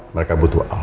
mereka butuh al